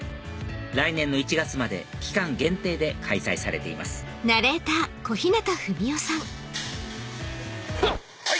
来年の１月まで期間限定で開催されていますふっ！